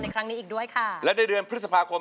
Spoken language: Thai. ครั้งนี้อีกด้วยค่ะและในเดือนพฤษภาคม